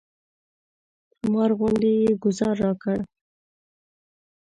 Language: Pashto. مار غوندې یې ګوزار راکړ.